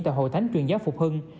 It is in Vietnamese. tại hội thánh truyền giáo phục hưng